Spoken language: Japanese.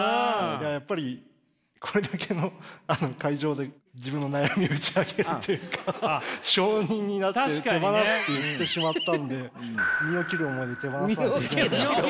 いややっぱりこれだけの会場で自分の悩みを打ち明けるというか証人になって「手放す」って言ってしまったので身を切る思いで。